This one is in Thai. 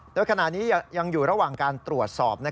โดยขณะนี้ยังอยู่ระหว่างการตรวจสอบ